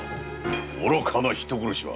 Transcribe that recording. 愚かな人殺しは。